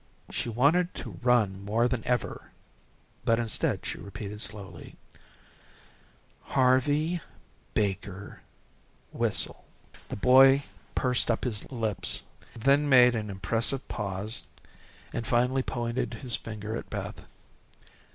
'" She wanted to run more than ever, but instead she repeated slowly: "Harvey Baker, whistle." The boy pursed up his lips, but he then made an impressive pause, and finally pointed his finger at Beth.